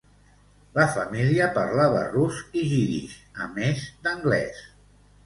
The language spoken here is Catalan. La família parlava rus i jiddisch, a més d'anglès.